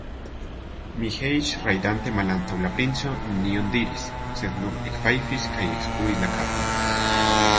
Miĥeiĉ, rajdante malantaŭ la princo, nenion diris, sed nur ekfajfis kaj ekskuis la kapon.